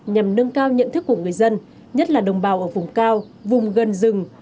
nhằm nâng cao nhận thức của người dân nhất là đồng bào ở vùng cao vùng gần rừng